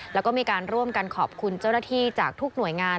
แล้วก็มีการร่วมกันขอบคุณเจ้าหน้าที่จากทุกหน่วยงาน